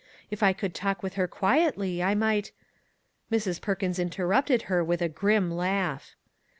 If I could talk with her quietly I might " Mrs. Perkins interrupted her with a grim laugh.